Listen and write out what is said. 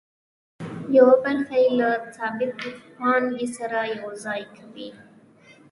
یوه برخه یې له ثابتې پانګې سره یوځای کوي